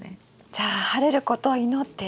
じゃあ晴れることを祈って。